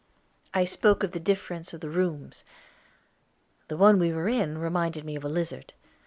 "I spoke of the difference of the rooms; the one we were in reminded me of a lizard!